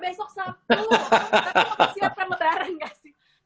tapi lo kesian premedaran nggak sih